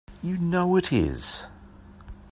You know it is!